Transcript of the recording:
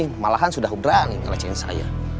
malahan sudah berani ngelecehin saya